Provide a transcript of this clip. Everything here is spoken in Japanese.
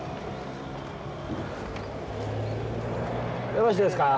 よろしいですか？